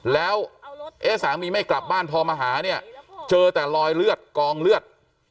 แล้วเอ๊ะสามีไม่กลับบ้านพอมาหาเนี่ยเจอแต่รอยเลือดกองเลือด